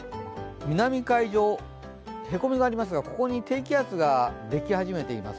南海上、へこみがありますが、ここに低気圧ができ始めています。